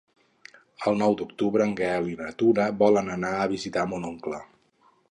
El nou d'octubre en Gaël i na Tura volen anar a visitar mon oncle.